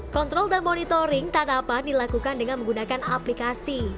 kontrol dan monitoring tanaman dilakukan dengan menggunakan aplikasi